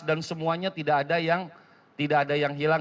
dan semuanya tidak ada yang hilang